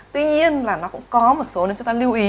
tuy nhiên là nó cũng có một số nữa chúng ta lưu ý